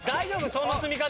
その積み方。